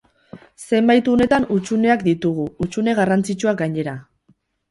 Zenbait unetan hutsuneak ditugu, hutsune garrantzitsuak gainera.